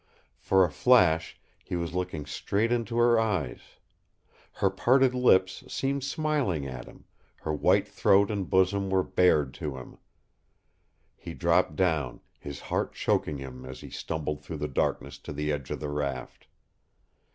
For a flash he was looking straight into her eyes. Her parted lips seemed smiling at him; her white throat and bosom were bared to him. He dropped down, his heart choking him as he stumbled through the darkness to the edge of the raft.